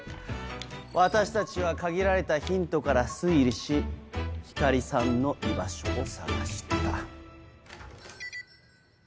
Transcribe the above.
私たちは限られたヒントから推理し光莉さんの居場所を捜した。